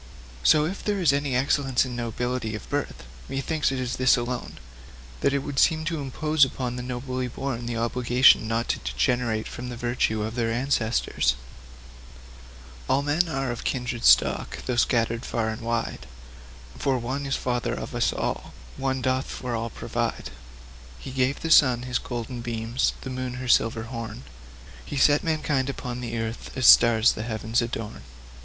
So, if there is any excellence in nobility of birth, methinks it is this alone that it would seem to impose upon the nobly born the obligation not to degenerate from the virtue of their ancestors.' SONG VI. TRUE NOBILITY. All men are of one kindred stock, though scattered far and wide; For one is Father of us all one doth for all provide. He gave the sun his golden beams, the moon her silver horn; He set mankind upon the earth, as stars the heavens adorn.